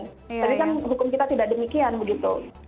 tapi kan hukum kita tidak demikian begitu